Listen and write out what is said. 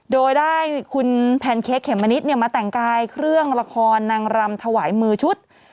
โดยได้คุณแพนเค้กเขมมะนิดมาแต่งกายเครื่องละครนางรำถวายมือชุด